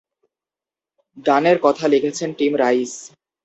গানের কথা লিখেছেন টিম রাইস।